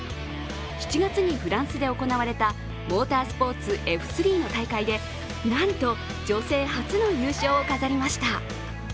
７月にフランスで行われたモータースポーツ・Ｆ３の大会でなんと女性初の優勝を飾りました。